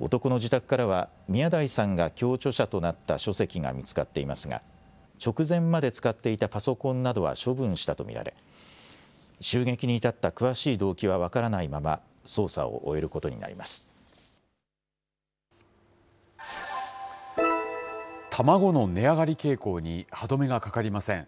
男の自宅からは、宮台さんが共著者となった書籍が見つかっていますが、直前まで使っていたパソコンなどは処分したと見られ、襲撃に至った詳しい動機は分からないまま、捜査を終えることになりま卵の値上がり傾向に歯止めがかかりません。